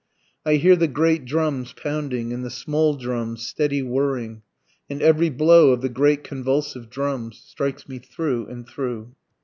I hear the great drums pounding, And the small drums steady whirring, And every blow of the great convulsive drums, Strikes me through and through.